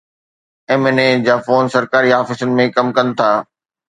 M N A جا phone سرڪاري آفيسن ۾ ڪم ڪن ٿا.